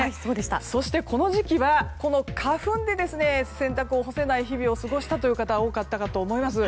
そしてこの時期は花粉で洗濯物を干せない時期を過ごした方多かったかと思います。